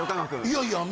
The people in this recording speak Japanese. いやいや。